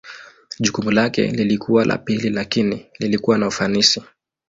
Jukumu lake lilikuwa la pili lakini lilikuwa na ufanisi.